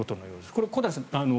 これ、小谷さん